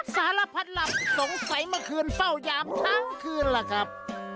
สารพัดหลับสงสัยเมื่อคืนเฝ้ายามทั้งคืนล่ะครับ